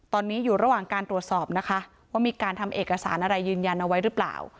ตอนนี้อยู่ระหว่างการตรวจสอบนะคะว่ามีการทำเอกสารอะไรยืนยันเอาไว้หรือเปล่า